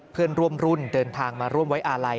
เพื่อนร่วมรุ่นเดินทางมาร่วมไว้อาลัย